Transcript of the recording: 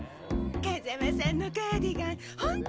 風間さんのカーディガン